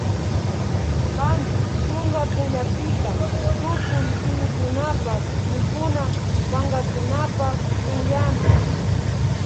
Panchi chunka punllapika tukuy suyukunapak mikuna pankakunapak punllami